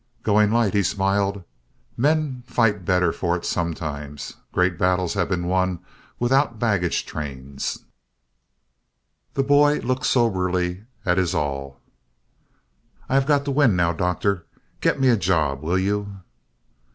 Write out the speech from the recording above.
"Going light," he smiled. "Men fight better for it sometimes. Great battles have been won without baggage trains." The boy looked soberly at his all. "I have got to win now, Doctor. Get me a job, will you?"